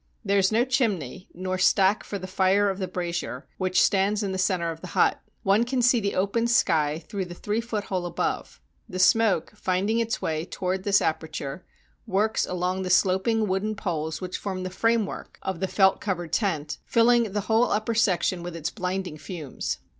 There is no chimney, nor stack for the fire of the brazier, which stands in the center of the hut. One can see the open sky through the three foot hole above. The smoke, find ing its way toward this aperture, works along the slop ing wooden poles which form the framework of the felt 189 RUSSIA covered tent, filling the whole upper section with its blinding fumes.